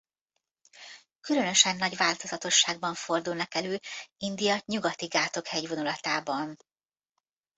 Különösen nagy változatosságban fordulnak elő India Nyugati-Ghátok hegyvonulatában.